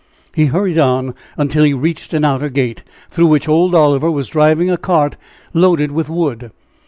He hurried on until he reached an outer gate, through which old Oliver was driving a cart loaded with wood.